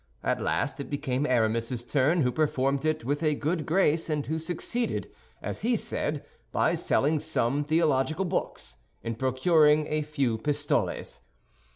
At last it became Aramis's turn, who performed it with a good grace and who succeeded—as he said, by selling some theological books—in procuring a few pistoles.